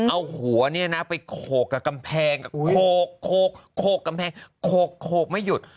เอาหัวเนี่ยนะไปโขกกับกำแพงโขกโขกกับกำแพงโขกโขกไม่หยุด